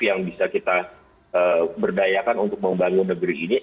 yang bisa kita berdayakan untuk membangun negeri ini